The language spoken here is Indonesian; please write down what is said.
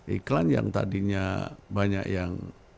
iklan yang tadinya banyak yang